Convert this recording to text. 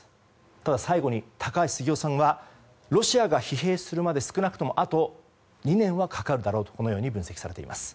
ただ、最後に高橋杉雄さんはロシアが疲弊するまで少なくとも、あと２年はかかるだろうと分析されています。